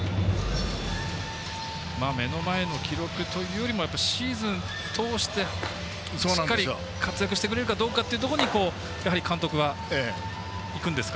目の前の記録というよりもやっぱりやっぱりシーズン通してしっかり活躍してくれるかどうかっていうところに監督はいくんですか？